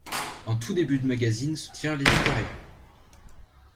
En tout début de magazine se tient l'éditorial.